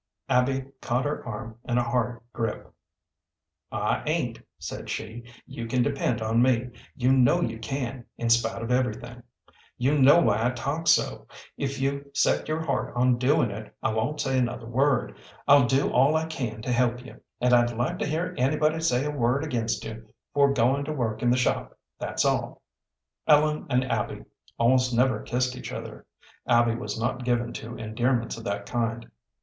Abby caught her arm in a hard grip. "I ain't," said she; "you can depend on me. You know you can, in spite of everything. You know why I talk so. If you've set your heart on doing it, I won't say another word. I'll do all I can to help you, and I'd like to hear anybody say a word against you for going to work in the shop, that's all." Ellen and Abby almost never kissed each other; Abby was not given to endearments of that kind.